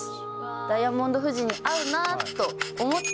ダイヤモンド富士に合うなと思った